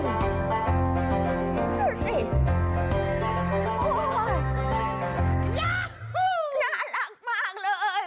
ย๊าฮูน่ารักมากเลย